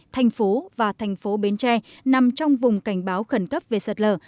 thành phố và thành phố bến tre nằm trong vùng cảnh báo khẩn cấp về sạt lở